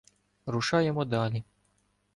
Рушаємо далі.